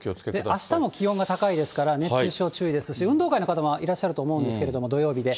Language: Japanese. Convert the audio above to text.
あしたも気温が高いですから、熱中症注意ですし、運動会の方もいらっしゃると思うんですけど、土曜日で。